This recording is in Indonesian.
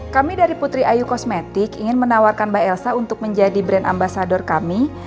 kami dari putri ayu kosmetik ingin menawarkan mbak elsa untuk menjadi brand ambasador kami